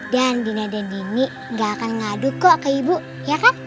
dan dina dan nini gak akan ngaduk kok ke ibu ya kan